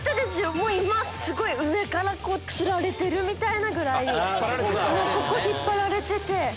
今すごい上からつられてるぐらいここ引っ張られてて。